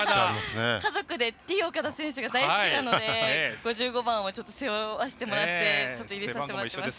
家族でＴ−岡田選手が大好きなので、５５番を背負わせてもらってます。